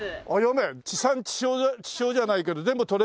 地産地消じゃないけど全部とれるんだ？